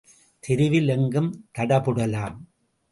தெருவில் எங்கும் தடபுடலாம்.